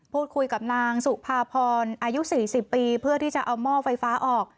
พูดคุยกับนางสุภาพรอายุ๔๐ปีเพื่อที่จะเอาหม้อไฟฟ้าออก